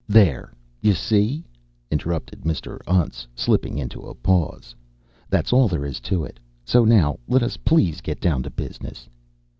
"There, you see?" interrupted Mr. Untz, slipping into a pause. "That's all there is to it. So now let us please get down to business."